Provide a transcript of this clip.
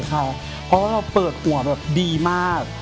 เพราะว่าเราเปิดหัวแบบดีมาก